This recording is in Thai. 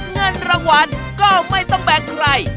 เงินรางวัลก็ไม่ต้องแบ่งใคร